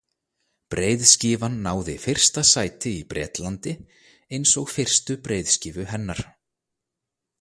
Breiðskífan náði fyrsta sæti í Bretlandi, eins og fyrstu breiðskífu hennar.